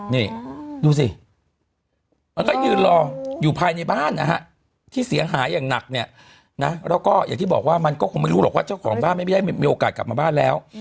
นี่ดูสิมันก็ยืนรออยู่ภายในบ้านนะฮะที่เสียหายอย่างหนักเนี่ยนะแล้วก็อย่างที่บอกว่ามันก็คงไม่รู้หรอกว่าเจ้าของบ้านไม่ได้มีโอกาสกลับมาบ้านแล้ว